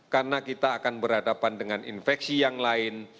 karena kita akan berhadapan dengan infeksi yang lain